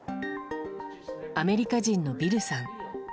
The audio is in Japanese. アメリカ人のビルさん。